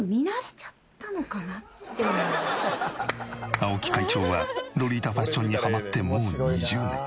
青木会長はロリータファッションにハマってもう２０年。